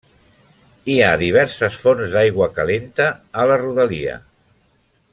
Hi ha diverses fonts d'aigua calenta a la rodalia.